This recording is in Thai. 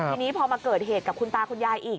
ทีนี้พอมาเกิดเหตุกับคุณตาคุณยายอีก